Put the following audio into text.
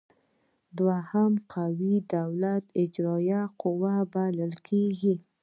دوهمه قوه د دولت اجراییه قوه بلل کیږي.